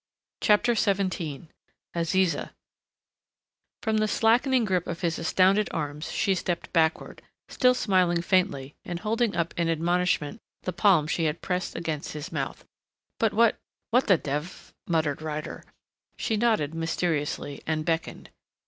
CHAPTER XVII AZIZA From the slackening grip of his astounded arms she stepped backward, still smiling faintly and holding up in admonishment the palm she had pressed against his mouth. "But what what the dev " muttered Ryder. She nodded mysteriously, and beckoned.